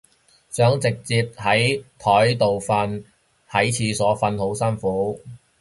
想直接喺枱頭瞓，喺廁所瞓好辛苦